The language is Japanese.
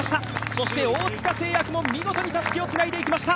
そして大塚製薬も見事にたすきをつなぎました。